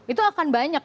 itu akan banyak